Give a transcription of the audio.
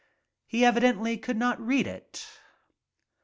He evidently could not read it.